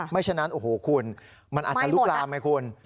ฉะนั้นโอ้โหคุณมันอาจจะลุกลามไงคุณ